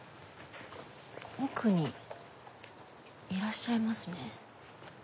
奥にいらっしゃいますね。